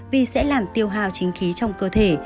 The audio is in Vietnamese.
vì sẽ làm tiêu hào chính khí trong cơ thể